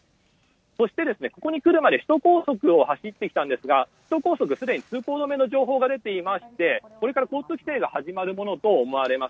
そして、ここに来るまで首都高速を走ってきましたが首都高速すでに通行止めの情報が入っていましてこれから交通規制が始まるものと思われます。